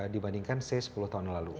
dibandingkan c sepuluh tahun lalu